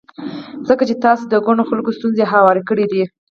ځکه چې تاسې د ګڼو خلکو ستونزې هوارې کړې دي.